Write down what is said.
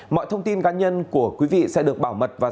mọi thông tin cá nhân của quý vị sẽ được bảo mật và